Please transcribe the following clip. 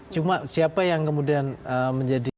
cuma siapa yang kemudian menjadi